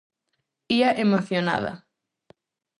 Ía emocionada.